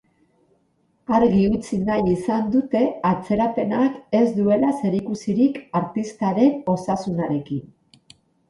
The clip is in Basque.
Argi utzi nahi izan dute atzerapenak ez duela zerikusirik artistaren osasunarekin.